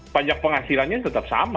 pajak penghasilannya tetap sama